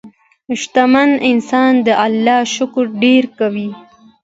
شتمن انسان د الله شکر ډېر کوي.